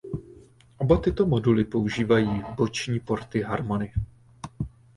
Oba tyto moduly používají boční porty "Harmony".